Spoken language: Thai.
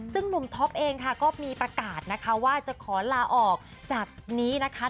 ซึ่งหนุ่มท็อปเองค่ะก็มีประกาศนะคะว่าจะขอลาออกจากนี้นะคะ